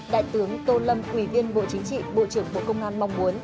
đại tướng tô lâm ủy viên bộ chính trị bộ trưởng bộ công an mong muốn